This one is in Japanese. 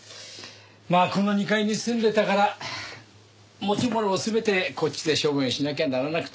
まあこの２階に住んでたから持ち物を全てこっちで処分しなきゃならなくて。